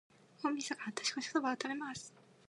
大晦日は、年越しそばを食べます。